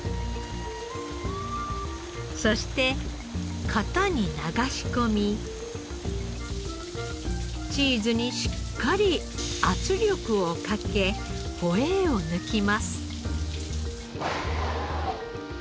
そして型に流し込みチーズにしっかり圧力をかけホエーを抜きます。